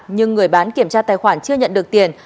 nhưng người bán kiểm tra tài khoản chưa nhận được tiền